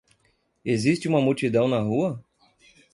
Existe uma multidão na rua?